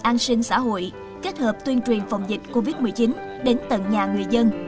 an sinh xã hội kết hợp tuyên truyền phòng dịch covid một mươi chín đến tận nhà người dân